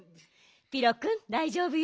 ピロくんだいじょうぶよ。